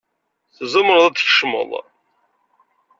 Tzemreḍ ad d-tkecmeḍ.